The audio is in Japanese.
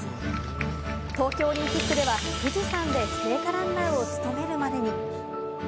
東京オリンピックでは富士山で聖火ランナーを務めるまでに。